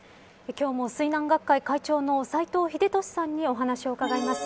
今日も水難学会会長の斎藤秀俊さんにお話を伺います。